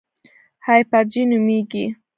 هایپرجي نومېږي.